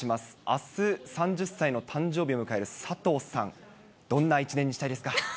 あす、３０歳の誕生日を迎える佐藤さん、どんな一年にしたいですか？